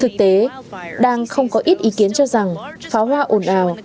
thực tế đang không có ít ý kiến cho rằng pháo hoa ồn ào